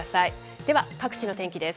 では、各地の天気です。